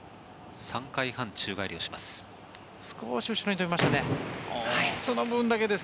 ３回半宙返りをします。